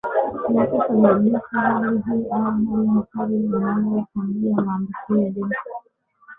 Kinachosababisha hali hii au Hali hatari zinazochangia maambukizi